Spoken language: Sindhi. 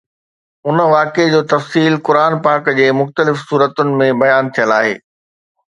ان واقعي جو تفصيل قرآن پاڪ جي مختلف سورتن ۾ بيان ٿيل آهي